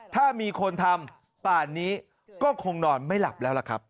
ถ้ามีคนทำป่านนี้ก็คงนอนไม่หลับแล้วล่ะครับ